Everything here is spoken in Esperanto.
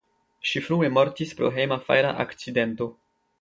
Ŝi frue mortis pro hejma fajra akcidento.